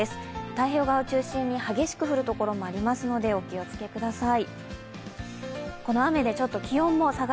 太平洋側を中心に激しく降るところもありますので、お気をつけください。